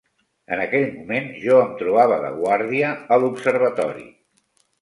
En aquell moment jo em trobava de guàrdia a l'observatori